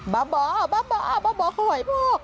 บ๊อบบ๊อบบ๊อบบ๊อบบ๊อบเข้าไหว